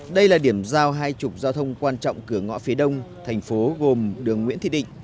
đây là điểm giao hai mươi giao thông quan trọng cửa ngõ phía đông tp hcm gồm đường nguyễn thị định